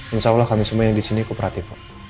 insyaallah kami semua yang disini kooperatif